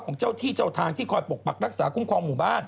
ของเจ้าที่เจ้าทางที่คอยปกปักรักษาคุ้มครองหมู่บ้าน